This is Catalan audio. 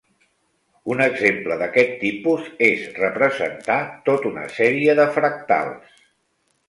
Un exemple d'aquest tipus és representar tot una sèrie de fractals.